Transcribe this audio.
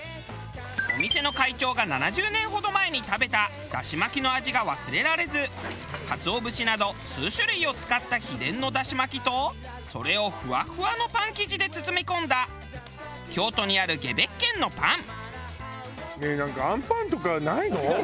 お店の会長が７０年ほど前に食べただし巻きの味が忘れられずカツオ節など数種類を使った秘伝のだし巻きとそれをフワフワのパン生地で包み込んだ京都にあるゲベッケンのパン。